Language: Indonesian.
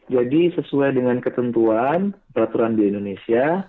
jadi sesuai dengan ketentuan peraturan di indonesia